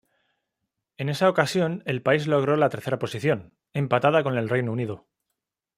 En esa ocasión el país logró la tercera posición, empatada con el Reino Unido.